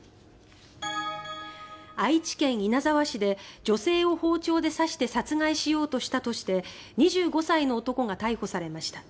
愛知県稲沢市で女性を包丁で刺して殺害しようとしたとして２５歳の男が逮捕されました。